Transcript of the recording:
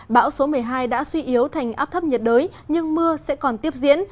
bão số một mươi hai đã suy yếu thành áp thấp nhiệt đới nhưng mưa sẽ còn tiếp diễn